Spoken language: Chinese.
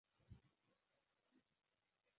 台湾梭罗为梧桐科梭罗树属下的一个种。